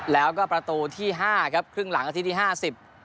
แล้วก็ประตูที่๕ครับครึ่งหลังอาทิตย์ที่๕๐